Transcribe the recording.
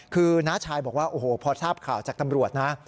คือน้าชายบอกว่าโอ้โหพอทราบข่าวจากตำรวจนะ